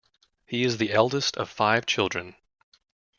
He is the eldest of five children.